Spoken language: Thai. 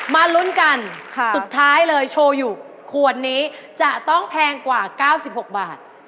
มาลุ้นกันสุดท้ายเลยโชว์อยู่ขวดนี้จะต้องแพงกว่า๙๖บาท